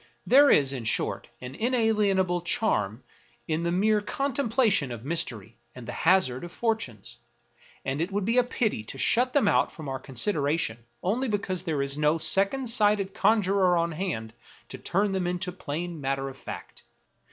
There is, in short, an inalienable charm in the mere contemplation of mystery and the hazard of fortunes ; and it would be a pity to shut them out from our consideration only because there is no second sighted conjurer on hand to turn them into plain matter of fact.